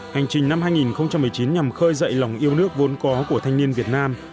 hành trình năm hai nghìn một mươi chín nhằm khơi dậy lòng yêu nước vốn có của thanh niên việt nam